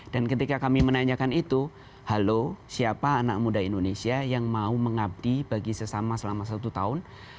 dan ketika kami menanyakan itu halo siapa anak muda indonesia yang mau mengabdi bagi sesama selama satu tahun